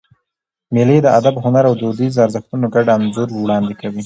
مېلې د ادب، هنر او دودیزو ارزښتونو ګډ انځور وړاندي کوي.